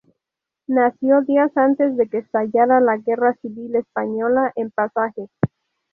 Nació días antes de que estallara la guerra civil española en Pasajes.